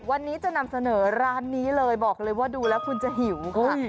วันนี้จะนำเสนอร้านนี้เลยบอกเลยว่าดูแล้วคุณจะหิวค่ะ